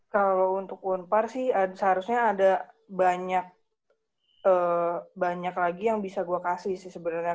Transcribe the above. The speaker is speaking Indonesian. kalo untuk unpar sih seharusnya ada banyak lagi yang bisa gua kasih sih sebenernya